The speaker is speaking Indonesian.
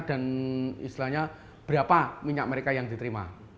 dan istilahnya berapa minyak mereka yang diterima